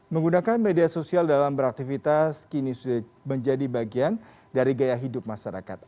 menggunakan media sosial dalam beraktivitas kini sudah menjadi bagian dari gaya hidup masyarakat